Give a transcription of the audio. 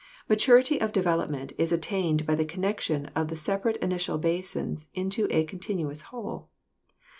"Maturity of development is attained by the connection of the separate initial basins into a continuous whole.